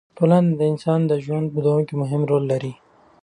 ټولنه د انسان د ژوند په دوام کې مهم رول لري.